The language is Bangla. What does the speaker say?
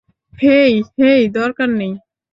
হেই, হেই, দরকার নেই।